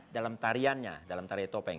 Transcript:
dalam tariannya dalam tarian topeng